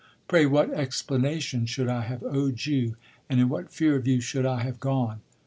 Pray what explanations should I have owed you and in what fear of you should I have gone?